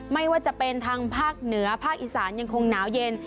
ไม่ว่าจะเป็นทางภาคเหนือภาคอีสานยังคงหนาวเย็น